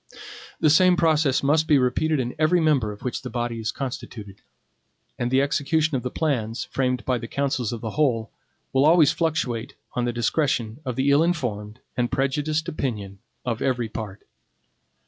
The same process must be repeated in every member of which the body is constituted; and the execution of the plans, framed by the councils of the whole, will always fluctuate on the discretion of the ill informed and prejudiced opinion of every part.